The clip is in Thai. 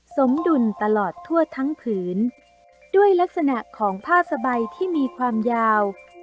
สมดุลตลอดทั่วทั้งผืนด้วยลักษณะของผ้าสบายที่มีความยาว